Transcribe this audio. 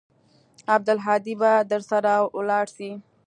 عبدالهادي به درسره ولاړ سي.